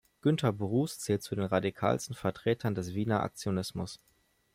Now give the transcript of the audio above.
Günter Brus zählt zu den radikalsten Vertretern des Wiener Aktionismus.